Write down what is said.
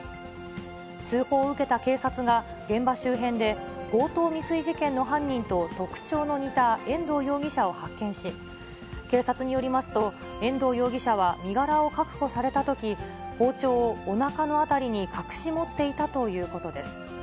通報を受けた警察が、現場周辺で、強盗未遂事件の犯人と特徴の似た遠藤容疑者を発見し、警察によりますと、遠藤容疑者は身柄を確保されたとき、包丁をおなかの辺りに隠し持っていたということです。